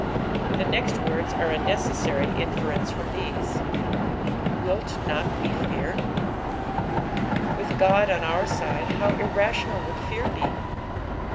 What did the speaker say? The next words are a necessu? inference from these. " WiU not «w fectr.'" With Ood on our aide, how imtional would fear be